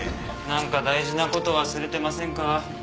何か大事なこと忘れてませんか？